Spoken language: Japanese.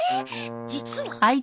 実は。